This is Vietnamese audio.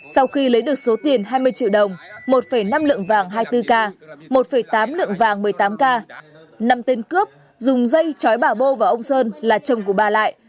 sau khi lấy được số tiền hai mươi triệu đồng một năm lượng vàng hai mươi bốn k một tám lượng vàng một mươi tám k năm tên cướp dùng dây chói bà bô và ông sơn là chồng của bà lại